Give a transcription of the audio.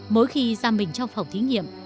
mỗi khi ra mình trong phòng thí nghiệm